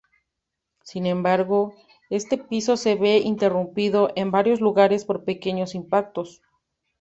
Sin embargo, este piso se ve interrumpido en varios lugares por pequeños impactos.